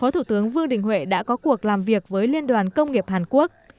thủ tướng vương đình huệ đã có cuộc làm việc với liên đoàn công nghiệp hàn quốc